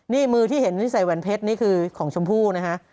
นี่มือที่เห็นที่ใส่แหวนเพชรนี่คือของชมพู่นะฮะ